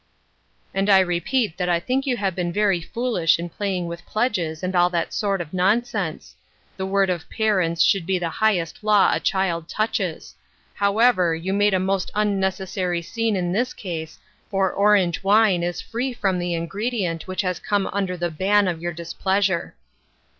" And I repeat that I think you have been very foolish in playing with pledges and all that sort of nonsense ; the word of parents should be the high est law a child touches. However, you made a most unnecessary scene in this case, for orange wine is free from the ingredient which has come under the ban of your displeasure."